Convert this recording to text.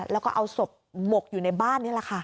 แล้วก็เอาศพหมกอยู่ในบ้านนี่แหละค่ะ